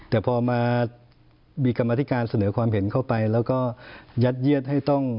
แต่พอมามีกรรมธิการเสนอความเห็นเข้าไปแล้วก็ยัดเยียดให้ต้อง